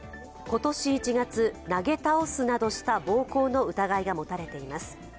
今年１月、投げ倒すなどした暴行の疑いが持たれています。